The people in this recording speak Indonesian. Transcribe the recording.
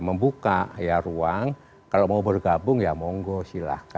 membuka ruang kalau mau bergabung ya monggo silahkan